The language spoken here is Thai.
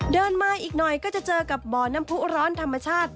เดินมาอีกหน่อยก็จะเจอกับบ่อน้ำผู้ร้อนธรรมชาติ